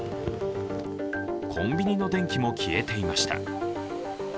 コンビニの電気も消えていました。